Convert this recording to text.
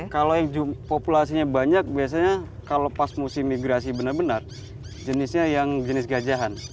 kalau yang populasinya banyak biasanya kalau pas musim migrasi benar benar jenisnya yang jenis gajahan